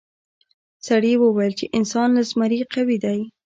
سړي وویل چې انسان له زمري قوي دی.